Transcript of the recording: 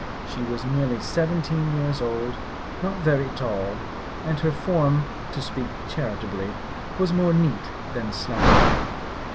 She was nearly seventeen years old, not very tall, and her form, to speak charitably, was more neat than slender.